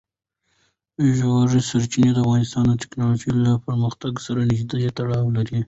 ژورې سرچینې د افغانستان د تکنالوژۍ له پرمختګ سره نږدې تړاو لري.